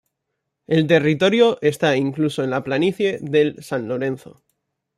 El territorio está incluso en la planicie del San Lorenzo.